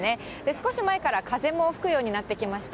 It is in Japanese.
少し前から風も吹くようになってきました。